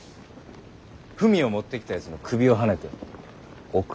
文を持ってきたやつの首をはねて送り返せ。